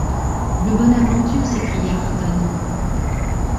Le Bonadventure ! s’écria Ayrton. .